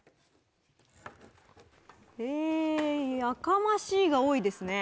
え「やかましい」が多いですね